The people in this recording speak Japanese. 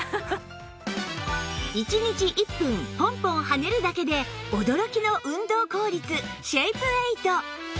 １日１分ポンポン跳ねるだけで驚きの運動効率シェイプエイト